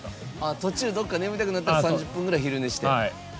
途中、眠たくなったら３０分ぐらい昼寝して。